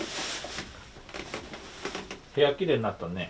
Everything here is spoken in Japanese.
部屋きれいになったね。